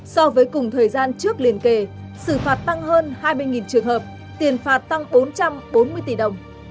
so với cùng thời gian trước liên kề xử phạt tăng hơn hai mươi trường hợp tiền phạt tăng bốn trăm bốn mươi tỷ đồng